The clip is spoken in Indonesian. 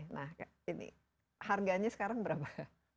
nah ini harganya sekarang berapa